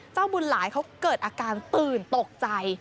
บุญหลายเขาเกิดอาการตื่นตกใจ